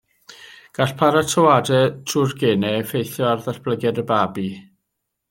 Gall paratoadau trwy'r genau effeithio ar ddatblygiad y babi.